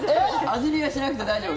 味見はしなくて大丈夫。